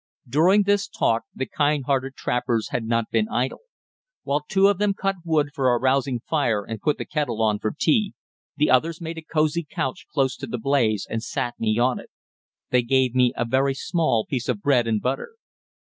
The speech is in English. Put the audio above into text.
During this talk, the kind hearted trappers had not been idle. While two of them cut wood for a rousing fire and put the kettle on for tea, the others made a cosey couch close to the blaze and sat me on it. They gave me a very small piece of bread and butter.